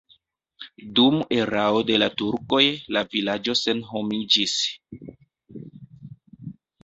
Dum erao de la turkoj la vilaĝo senhomiĝis.